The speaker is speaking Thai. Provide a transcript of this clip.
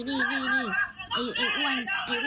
งั้นมาดูตรงนี้